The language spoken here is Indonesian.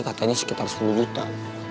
katanya sekitar sepuluh juta